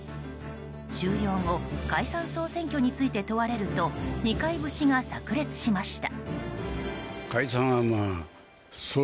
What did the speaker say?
終了後解散・総選挙について問われると二階節がさく裂しました。